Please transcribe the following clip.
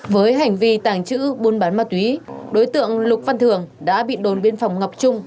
với hành vi tàng trữ buôn bán ma túy đối tượng lục văn thường đã bị đồn biên phòng ngọc trung